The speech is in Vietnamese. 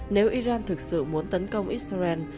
nếu iran thực sự muốn tấn công israel